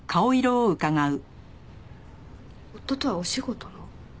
夫とはお仕事の？